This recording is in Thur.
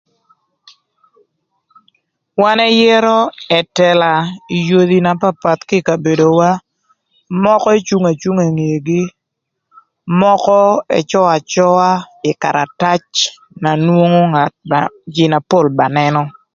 Wan ëyërö ëtëla ï yodhi na papath kï ï kabedowa mökö ecung acunga ï ngegï, mökö ëcö acöa ï karatac na nwongo jïï na pol ba nënö.